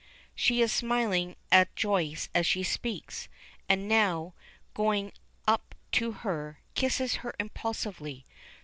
She is smiling at Joyce as she speaks, and now, going up to her, kisses her impulsively.